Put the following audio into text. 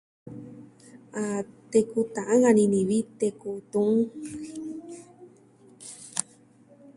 A teku ta'an ka ini ni vi teku tuun.